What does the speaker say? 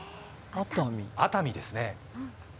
熱海ですね。